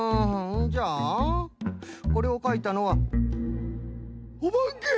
じゃあこれをかいたのはおばけ！？